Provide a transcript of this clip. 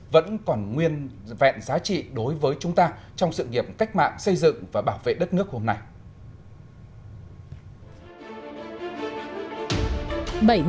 vẫn còn nguyên vẹn giá trị đối với chúng ta trong sự nghiệp cách mạng xây dựng và bảo vệ đất nước hôm nay